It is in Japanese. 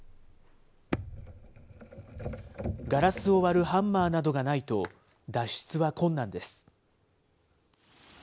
ガラスを割るハンマーなどがないと、脱出は困難です。